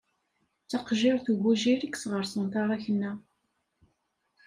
D taqejjiṛt ugujil, i yesɣeṛṣen taṛakna.